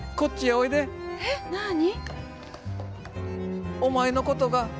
えっなに？